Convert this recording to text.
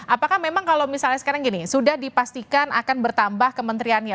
apakah memang kalau misalnya sekarang gini sudah dipastikan akan bertambah kementeriannya